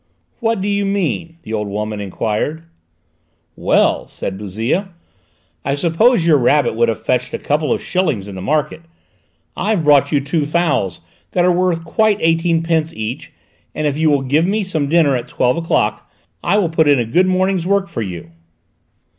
"What do you mean?" the old woman enquired. "Well," said Bouzille, "I suppose your rabbit would have fetched a couple of shillings in the market; I've brought you two fowls that are worth quite eighteen pence each, and if you will give me some dinner at twelve o'clock I will put in a good morning's work for you."